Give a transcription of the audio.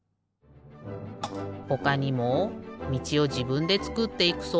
ほかにもみちをじぶんでつくっていく装置すごい！